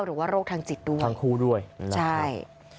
หรือว่าโรคทางจิตด้วยใช่